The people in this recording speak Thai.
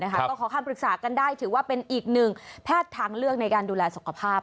ก็ขอคำปรึกษากันได้ถือว่าเป็นอีกหนึ่งแพทย์ทางเลือกในการดูแลสุขภาพ